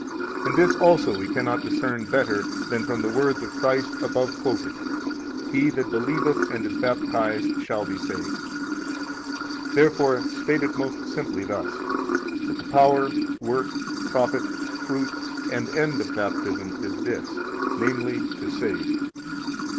And this also we cannot discern better than from the words of Christ above quoted: He that believeth and is baptized shall be saved. 24 Therefore state it most simply thus, that the power, work, profit, fruit, and end of Baptism is this, namely, to save.